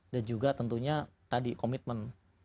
dan juga tentunya tadi komitmen